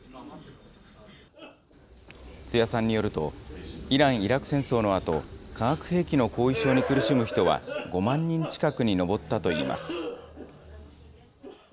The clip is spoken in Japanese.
津谷さんによると、イラン・イラク戦争のあと、化学兵器の後遺症に苦しむ人は５万人近くに上ったといいます。